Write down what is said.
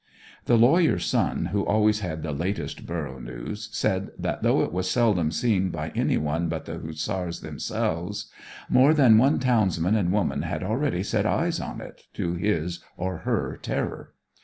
The lawyer's son, who always had the latest borough news, said that, though it was seldom seen by any one but the Hussars themselves, more than one townsman and woman had already set eyes on it, to his or her terror.